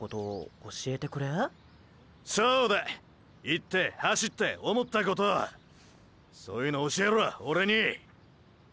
行って走って思ったことそういうの教えろオレに。？